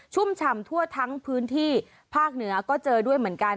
ุ่มฉ่ำทั่วทั้งพื้นที่ภาคเหนือก็เจอด้วยเหมือนกัน